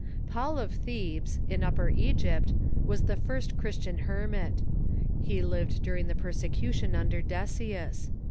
Paul of Thebes, in Upper Egypt, was the first Christian her mit. He lived during the persecution under Decius.